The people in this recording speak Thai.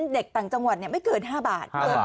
เด็กต่างจังหวัดไม่เกิน๕บาท